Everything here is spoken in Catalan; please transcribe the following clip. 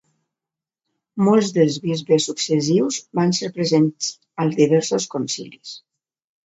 Molts dels bisbes successius van ser presents als diversos concilis.